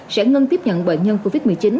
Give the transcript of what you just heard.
sẽ ngưng tiếp nhận bệnh nhân covid một mươi chín